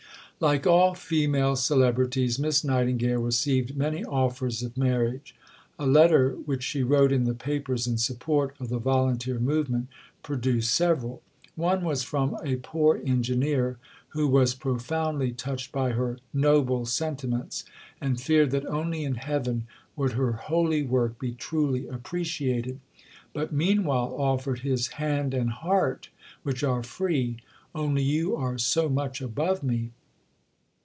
Like all female celebrities, Miss Nightingale received many offers of marriage. A letter, which she wrote in the papers in support of the Volunteer movement, produced several. One was from "a poor engineer" who was profoundly touched by her "noble sentiments," and feared that only in Heaven would her holy work be truly appreciated, but meanwhile offered his "hand and heart, which are free, only you are so much above me."